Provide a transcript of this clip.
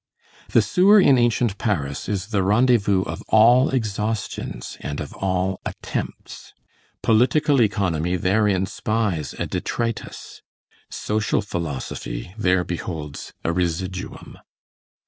The sewer in ancient Paris is the rendezvous of all exhaustions and of all attempts. Political economy therein spies a detritus, social philosophy there beholds a residuum.